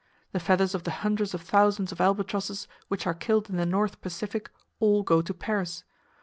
The feathers of the hundreds of thousands of albatrosses which are killed in the North Pacific all go to Paris.